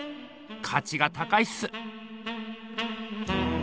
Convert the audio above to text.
価値が高いっす。